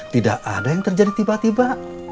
tidak ada yang terjadi tiba tiba